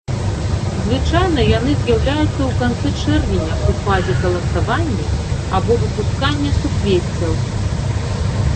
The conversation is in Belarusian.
Звычайна яны з'яўляюцца ў канцы чэрвеня ў фазе каласавання або выпускання суквеццяў.